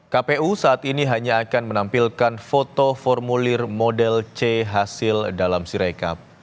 kpu saat ini hanya akan menampilkan foto formulir model c hasil dalam sirekap